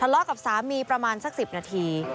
เลาะกับสามีประมาณสัก๑๐นาที